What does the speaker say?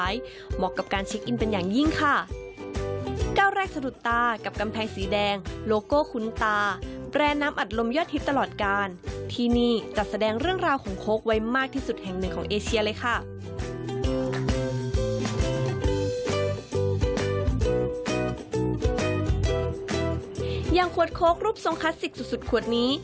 อย่างขวดโค้กรูปทรงคลาสสิกสุดขวดนี้